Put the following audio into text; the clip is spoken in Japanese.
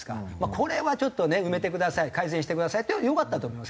これはちょっとね埋めてください改善してくださいっていうのはよかったと思います